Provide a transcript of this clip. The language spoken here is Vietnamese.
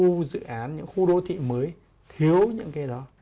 khu dự án những khu đô thị mới thiếu những cái đó